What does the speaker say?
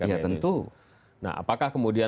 ya tentu nah apakah kemudian